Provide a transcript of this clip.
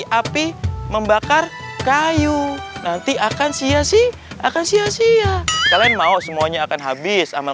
api membakar kayu nanti akan sia sia akan sia sia kalian mau semuanya akan habis sama